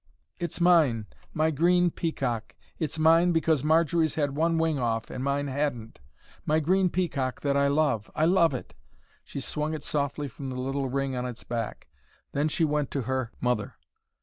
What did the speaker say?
"It's mine my green peacock! It's mine, because Marjory's had one wing off, and mine hadn't. My green peacock that I love! I love it!" She swung it softly from the little ring on its back. Then she went to her mother.